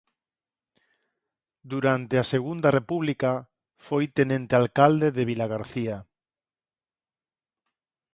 Durante a Segunda República foi tenente alcalde de Vilagarcía.